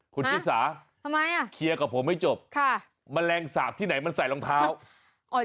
คุณที่สาเคลียร์กับผมให้จบแมลงสาบที่ไหนมันใส่รองเท้าค่ะทำไมอ่ะค่ะ